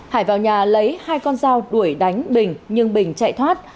hải vào nhà lấy hai con dao đuổi đánh bình nhưng bình chạy thoát